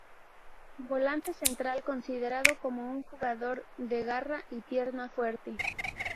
Volante central, considerado como un jugador de "garra" y "pierna fuerte".